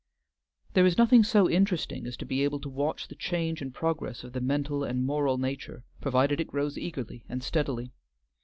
There is nothing so interesting as to be able to watch the change and progress of the mental and moral nature, provided it grows eagerly and steadily.